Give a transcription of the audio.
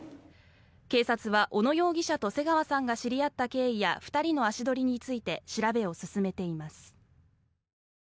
警察は、小野容疑者と瀬川さんが知り合った経緯や２人の足取りについて調べを進めています。